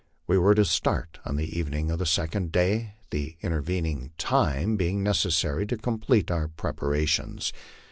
We were to start on the even ing of the second day, the intervening time being necessary to complete our preparations.